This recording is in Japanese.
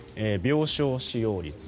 病床使用率、